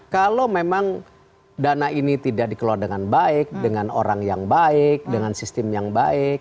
karena memang dana ini tidak dikeluarkan dengan baik dengan orang yang baik dengan sistem yang baik